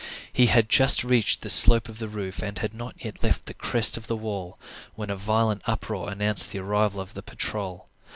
He had just reached the slope of the roof, and had not yet left the crest of the wall, when a violent uproar announced the arrival of the patrol.